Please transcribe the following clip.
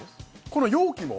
この容器も？